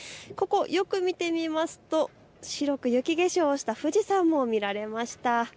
ここをよく見てみますと白く雪化粧した富士山も見られました。